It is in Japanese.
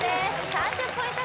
３０ポイント